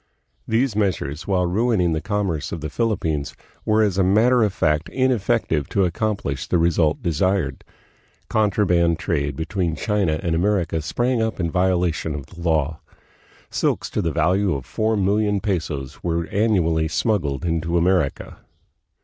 These meas ures, while ruining the commerce of the Philippines, were as a matter of fact ineffective to accomplish the result desired. Contraband trade between China and America sprang up in violation of the law. Silks to the value of four million pesos were annually smuggled into America.